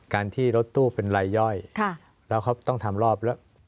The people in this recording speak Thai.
การที่รถตู้เป็นรายย่อยแล้วเขาต้องทำรอบแล้ว